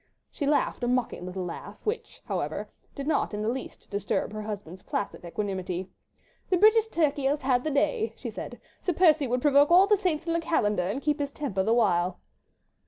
She laughed a mocking little laugh, which, however, did not in the least disturb her husband's placid equanimity. "The British turkey has had the day," she said. "Sir Percy would provoke all the saints in the calendar and keep his temper the while."